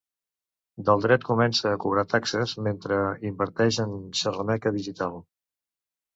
Del dret comença a cobrar taxes mentre inverteix en xerrameca digital.